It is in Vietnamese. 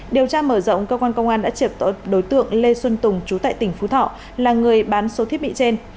điều tra mở rộng cơ quan công an đã triệt đối tượng lê xuân tùng chú tại tỉnh phú thọ là người bán số thiết bị trên